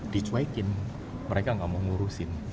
dicuaikin mereka tidak mau ngurusin